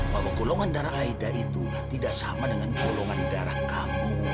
bahwa golongan darah aida itu tidak sama dengan golongan darah kamu